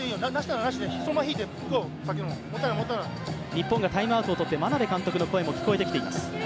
日本がタイムアウトを取って、眞鍋監督の声も聞こえてきています。